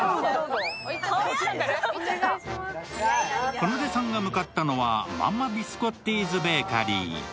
かなでさんが向かったのはマンマ・ビスコッティーズ・ベーカリー。